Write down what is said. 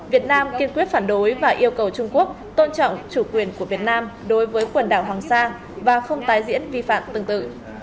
việt nam kiên quyết phản đối và yêu cầu trung quốc tôn trọng chủ quyền của việt nam đối với quần đảo hoàng sa và không tái diễn vi phạm tương tự